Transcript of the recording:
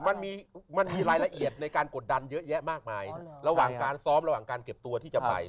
มันมีมันมีรายละเอียดในการกดดันเยอะแยะมากมายระหว่างการซ้อมระหว่างการเก็บตัวที่จะไป